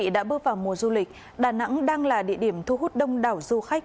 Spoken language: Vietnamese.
đã bước vào mùa du lịch đà nẵng đang là địa điểm thu hút đông đảo du khách